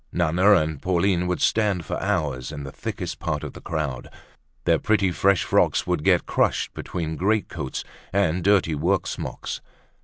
Nana and Pauline would stand for hours in the thickest part of the crowd. Their pretty, fresh frocks would get crushed between great coats and dirty work smocks.